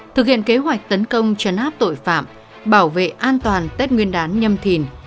thực hiện kế hoạch tấn công chấn áp tội phạm bảo vệ an toàn tết nguyên đán nhâm thìn